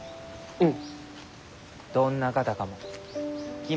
うん。